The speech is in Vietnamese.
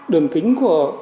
đường kính của